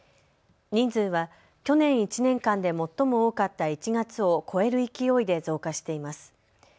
人数は去年１年間で最も多かった１月を超える勢いで増加しています。